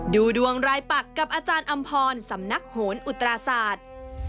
ดูดวงรายปักกับอาจารย์อำพรสำนักโหนอุตราศาสตร์